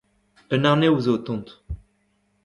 Un arnev zo o tont